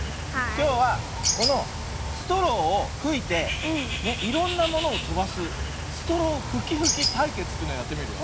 きょうはこのストローをふいていろんなものをとばす「ストローふきふきたいけつ」というのをやってみるよ。